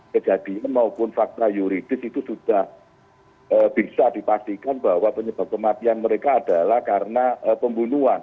kejadian maupun fakta yuridis itu sudah bisa dipastikan bahwa penyebab kematian mereka adalah karena pembunuhan